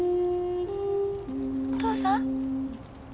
お父さん？